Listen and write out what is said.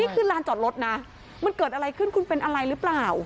ลานจอดรถนะมันเกิดอะไรขึ้นคุณเป็นอะไรหรือเปล่า